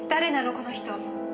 この人。